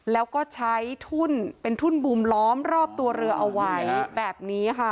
แล้วก็ใช้ทุ่นเป็นทุ่นบูมล้อมรอบตัวเรือเอาไว้แบบนี้ค่ะ